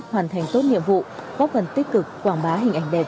hoàn thành tốt nhiệm vụ góp phần tích cực quảng bá hình ảnh đẹp